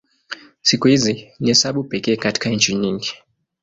Siku hizi ni hesabu pekee katika nchi nyingi.